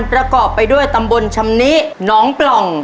ประกอบไปด้วยตำบลชำนิน้องปล่อง